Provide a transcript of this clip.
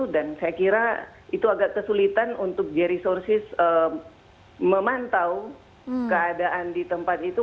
dan saya kira itu agak kesulitan untuk j resources memantau keadaan di tempat itu